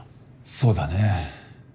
そうだね。